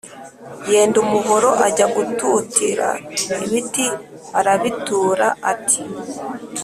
yenda umuhoro ajya gututira ,ibiti arabitura; at